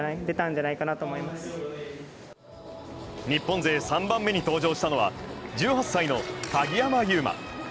日本勢３番目に登場したのは１８歳の鍵山優真。